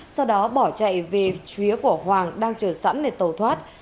sau đó bỏ chạy về chứa của hoàng đang chờ sẵn để tàu thoát